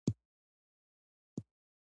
ډيپلوماسي د فرهنګي ودي لپاره حياتي ده.